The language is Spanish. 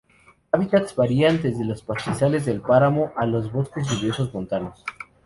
Hábitats varían desde los pastizales del páramo a los bosques lluviosos montanos.